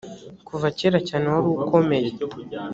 kuva kera cyane warukomeye